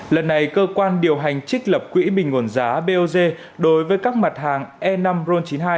lần này cơ quan điều hành trích lập quỹ bình nguồn giá bot đối với các mặt hàng e năm ron chín mươi hai